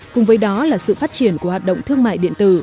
cùng với đó là sự phát triển của hoạt động thương mại điện tử